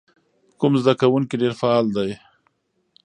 کوم زده کوونکی ډېر فعال دی؟